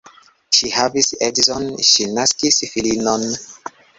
Ŝi havis edzon, ŝi naskis filinon.